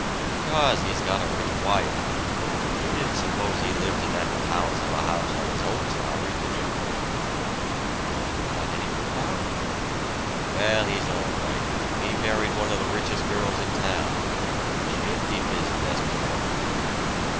"Because, he's got a rich wife. You didn't suppose he lived in that palace of a house on his own salary, did you?" "I hadn't thought anything about it." "Well, he's all right he married one of the richest girls in town. And she'll keep his nest feathered."